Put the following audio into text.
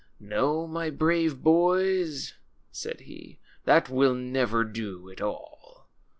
^^^No, my brave boys,' said he, Hhat Avill never do at all.